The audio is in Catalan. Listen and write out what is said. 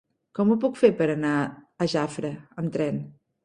Com ho puc fer per anar a Jafre amb tren?